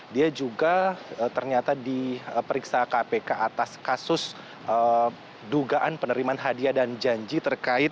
dia juga ternyata diperiksa kpk atas kasus dugaan penerimaan hadiah dan janji terkait